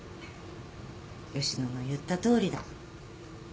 「吉野の言ったとおりだ」